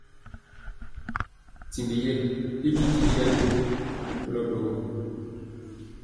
Ntinji yɛ i titiliya ndugu kolɔ ɗogɔ.